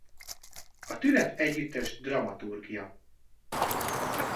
A Tünet Együttes dramaturgja.